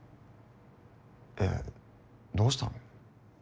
えっどうしたの？